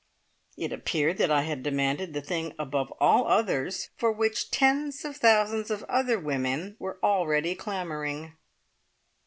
It appeared that I had demanded the thing above all others for which tens of thousands of other women were already clamouring!